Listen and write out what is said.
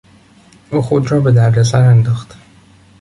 او خود را به دردسر انداخت.